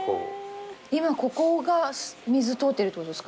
今ここが水通ってるってことですか？